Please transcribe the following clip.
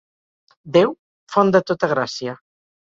Déu, font de tota gràcia.